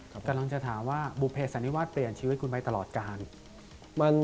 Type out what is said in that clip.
กำลังจะถามว่าบุภเสันนิวาสเปลี่ยนชีวิตคุณไปตลอดการ